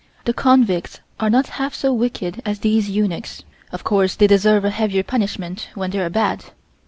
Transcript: The convicts are not half so wicked as these eunuchs. Of course they deserve a heavier punishment when they are bad."